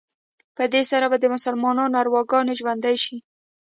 په دې سره به د مسلمانانو ارواګانې ژوندي شي.